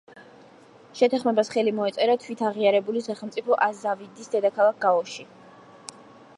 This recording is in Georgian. შეთანხმებას ხელი მოეწერა თვითაღიარებული სახელმწიფო აზავადის დედაქალაქ გაოში.